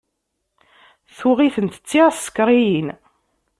Tuɣ-itent d tiεsekriyin.